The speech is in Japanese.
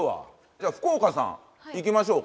じゃあ福岡さんいきましょうか。